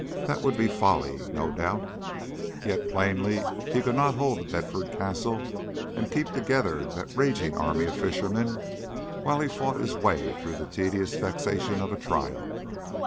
That would be folly, no doubt; yet plainly he could not hold The Bedford Castle and keep together that raging army of fishermen while he fought his way through the tedious vexations of a trial.